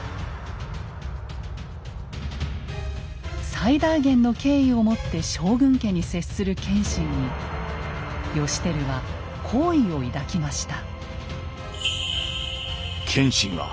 最大限の敬意をもって将軍家に接する謙信に義輝は好意を抱きました。